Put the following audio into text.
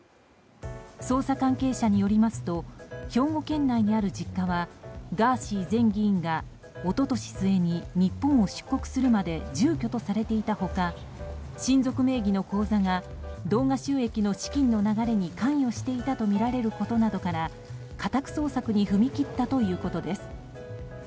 捜査関係者によりますと兵庫県内にある実家はガーシー前議員が一昨年末に日本を出国するまで住居とされていた他親族名義の口座が動画収益の資金の流れに関与していたとみられることなどから家宅捜索に踏み切ったということです。